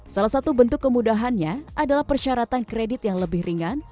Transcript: salah satu bentuk kemudahannya adalah persyaratan kredit yang lebih ringan